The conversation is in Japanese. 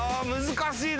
難しいな。